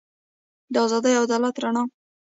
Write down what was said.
د ازادۍ او عدالت رڼا.